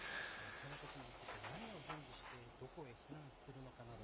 そのときに向けて何を準備してどこに避難するのかなど